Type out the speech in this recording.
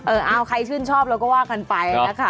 เอาใครชื่นชอบเราก็ว่ากันไปนะคะ